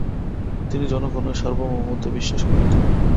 তিনি জনগণের সার্বভৌমত্বে বিশ্বাস করতেন।